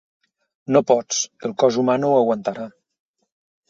No pots; el cos humà no ho aguantarà.